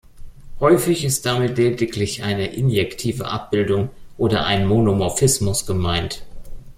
Häufig ist damit lediglich eine injektive Abbildung oder ein Monomorphismus gemeint.